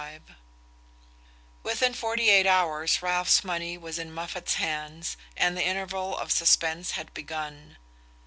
XXXV Within forty eight hours Ralph's money was in Moffatt's hands, and the interval of suspense had begun.